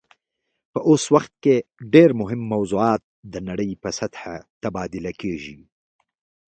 په اوس وخت کې ډیر مهم موضوعات د نړۍ په سطحه تبادله کیږي